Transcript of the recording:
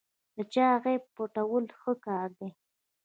د چا عیب پټول ښه کار دی.